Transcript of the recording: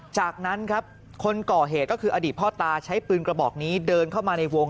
จากนั้นครับคนก่อเหตุก็คืออดีตพ่อตาใช้ปืนกระบอกนี้เดินเข้ามาในวง